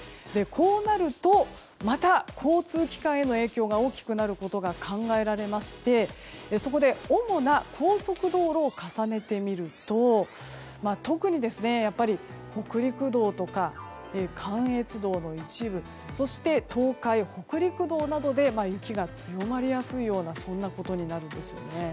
こうなると、また交通機関への影響が大きくなることが考えられましてそこで主な高速道路を重ねてみると特に、北陸道とか関越道の一部そして東海北陸道などで雪が強まりやすいようなことになるんですよね。